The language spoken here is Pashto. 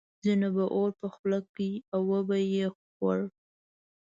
ځینو به اور په خوله کړ او وبه یې خوړ.